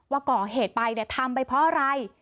ว่าก่อเหตุไปเนี่ยทำไปเพราะอะไร